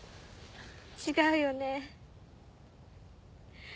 違うよね。